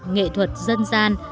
nghệ thuật dân gian